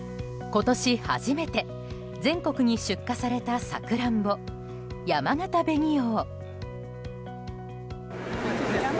今年初めて全国に出荷されたサクランボ、やまがた紅王。